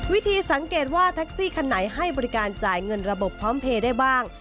วิธีสังเกตว่าแท็กซี่คันไหนให้บริการจ่ายเงินระบบพร้อมเพลย์ได้บ้าง